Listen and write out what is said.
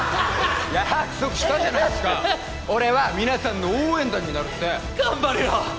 約束したじゃないっすか俺は皆さんの応援団になるって頑張るよ